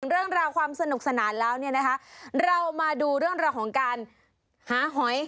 เรื่องราวความสนุกสนานแล้วเนี่ยนะคะเรามาดูเรื่องราวของการหาหอย